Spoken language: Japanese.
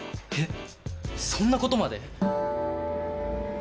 えっそんなことまで？